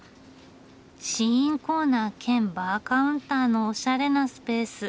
試飲コーナー兼バーカウンターのおしゃれなスペース。